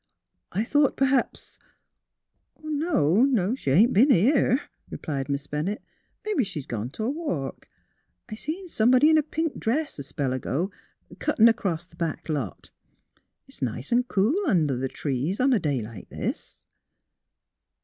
*' I thought perhaps " "No; she ain't b'en here," replied Miss Ben nett. '' Mebbe she's gone t' walk. I seen some body in a pink dress, a spell ago, cuttin' across th* back lot. It's nice an' cool in under the trees a day like this."